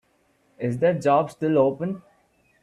Is that job still open?